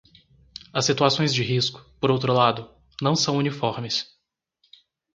As situações de risco, por outro lado, não são uniformes.